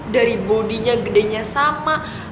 dari bodinya gedenya sama